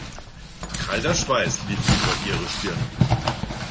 Kalter Schweiß lief über ihre Stirn.